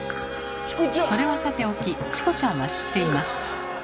それはさておきチコちゃんは知っています。